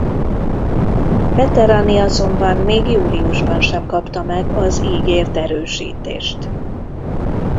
Veterani azonban még júliusban sem kapta meg az ígért erősítést.